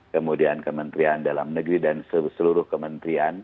kemudian kementerian dalam negeri dan seluruh kementerian